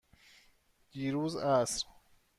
دیروز عصر.